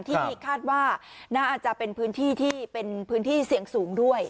อย่างที่คาดว่าน่าจะเป็นพื้นที่เสียงสูงด้วย